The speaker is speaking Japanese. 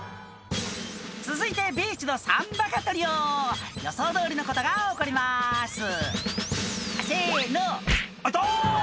続いてビーチの３バカトリオ予想どおりのことが起こりますせの「あ痛っ！」